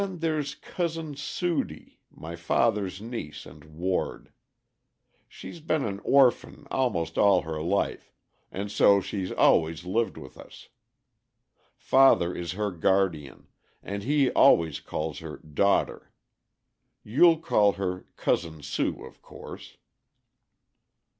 Then there's Cousin Sudie, my father's niece and ward. She's been an orphan almost all her life, and so she's always lived with us. Father is her guardian, and he always calls her 'daughter.' You'll call her 'Cousin Sue,' of course."